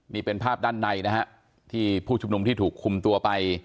นี่เป็นภาพด้านในนะฮะที่ผู้ชุมนุมที่ถูกคุมตัวไป